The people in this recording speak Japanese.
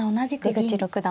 出口六段